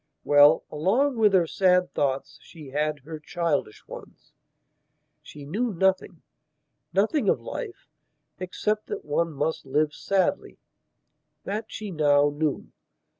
Well, along with her sad thoughts she had her childish ones. She knew nothingnothing of life, except that one must live sadly. That she now knew.